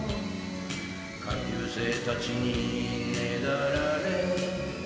下級生たちにねだられ